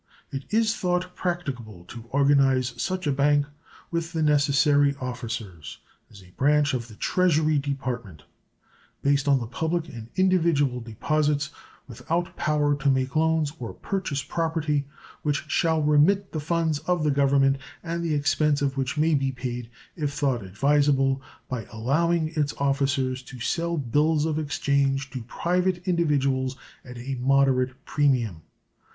It is thought practicable to organize such a bank with the necessary officers as a branch of the Treasury Department, based on the public and individual deposits, without power to make loans or purchase property, which shall remit the funds of the Government, and the expense of which may be paid, if thought advisable, by allowing its officers to sell bills of exchange to private individuals at a moderate premium.